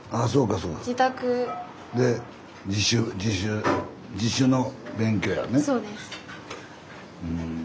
そうですね。